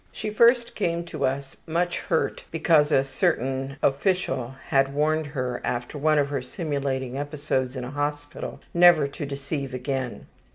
She first came to us much hurt because a certain official had warned her, after one of her simulating episodes in a hospital, never to deceive again.